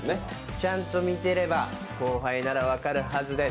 ちゃんと見てれば後輩なら分かるはずです。